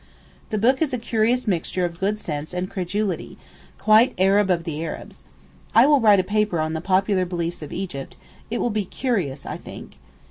The book is a curious mixture of good sense and credulity—quite 'Arab of the Arabs.' I will write a paper on the popular beliefs of Egypt; it will be curious, I think.